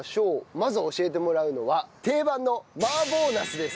まず教えてもらうのは定番の麻婆ナスです。